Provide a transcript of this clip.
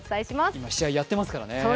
今、試合やってますからね。